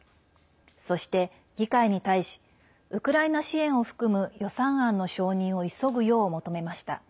そして、議会に対しウクライナ支援を含む予算案の承認を急ぐよう求めました。